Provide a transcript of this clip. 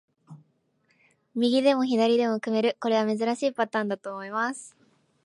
右でも左でも組める、これは珍しいパターンだと思います。